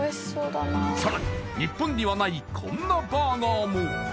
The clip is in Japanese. さらに日本にはないこんなバーガーもえっ？